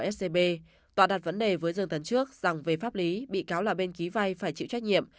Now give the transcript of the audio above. scb tòa đặt vấn đề với dân tấn trước rằng về pháp lý bị cáo là bên ký vai phải chịu trách nhiệm